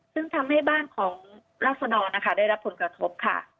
ซึ่งทำให้บ้านของราศดรนะคะได้รับผลกระทบค่ะ